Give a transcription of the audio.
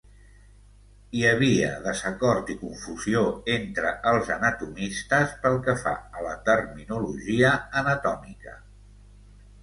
Hi havia desacord i confusió entre els anatomistes pel que fa a la terminologia anatòmica.